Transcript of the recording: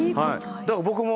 だから僕も。